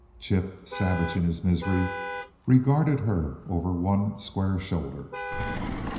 Chip, savage in his misery, regarded her over one square shoulder.